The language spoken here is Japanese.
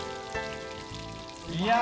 いや。